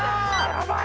やばい。